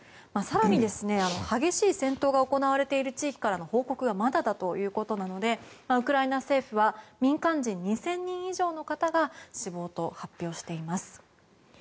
更に激しい戦闘が行われている地域からの報告がまだだということなのでウクライナ政府は民間人２０００人以上の方が死亡と発表しています。